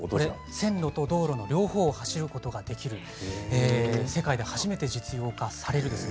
線路と道路の両方を走ることができる世界で初めて実用化される。